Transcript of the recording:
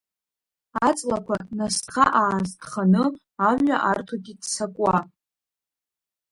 Аҵлақәа насҭха-аасҭханы, амҩа арҭоит иццакуа.